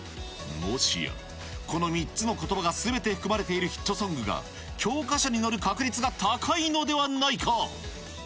もしや、この３つのことばがすべて含まれているヒットソングが教科書に載る確率が高いのではないか。